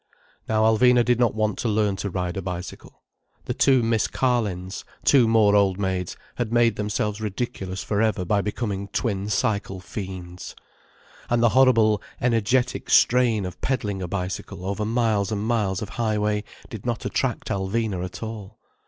Now Alvina did not want to learn to ride a bicycle. The two Miss Carlins, two more old maids, had made themselves ridiculous for ever by becoming twin cycle fiends. And the horrible energetic strain of peddling a bicycle over miles and miles of high way did not attract Alvina at all.